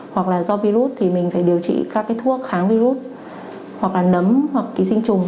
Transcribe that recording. hoặc là do virus thì mình phải điều trị các cái thuốc kháng virus hoặc là nấm hoặc ký sinh trùng